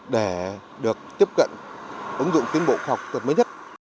để được tiếp cận ứng dụng tiến bộ khoa học tuyệt mới nhất